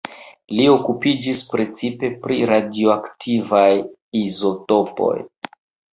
Li okupiĝis precipe pri radioaktivaj izotopoj.